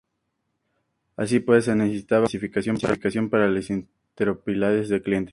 Así pues, se necesitaba una especificación para la interoperabilidad de clientes.